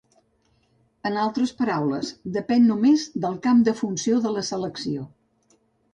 En altres paraules, depèn només del camp de funció de la selecció.